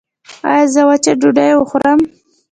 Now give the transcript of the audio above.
ایا زه وچه ډوډۍ وخورم؟